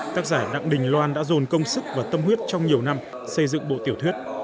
tác giả đặng đình loan đã dồn công sức và tâm huyết trong nhiều năm xây dựng bộ tiểu thuyết